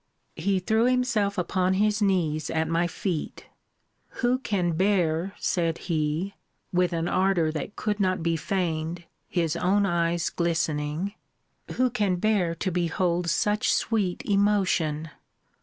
He threw himself upon his knees at my feet Who can bear, said he, [with an ardour that could not be feigned, his own eyes glistening,] who can bear to behold such sweet emotion?